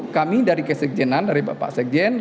kami dari ksjn an dari bapak sekjen